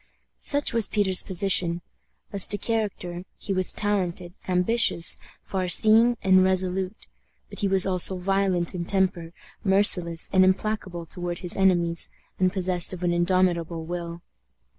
Such was Peter's position. As to character, he was talented, ambitious, far seeing, and resolute; but he was also violent in temper, merciless and implacable toward his enemies, and possessed of an indomitable will.